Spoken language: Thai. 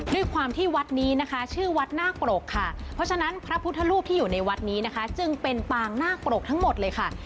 ด้วยความที่วัดนี้นะคะชื่อวัดนาคปรกค่ะเพราะฉะนั้นพระพุทธรูปที่อยู่ในวัดนี้นะคะจึงเป็นปางนาคปรกทั้งหมดเลยค่ะ